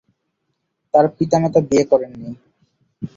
তার পিতামাতা বিয়ে করেননি।